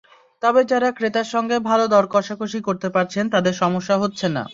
তবে যাঁরা ক্রেতার সঙ্গে ভালো দর-কষাকষি করতে পারছেন, তাঁদের সমস্যা হচ্ছে না।